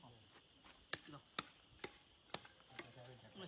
ไม่เอาแต่แบบนี้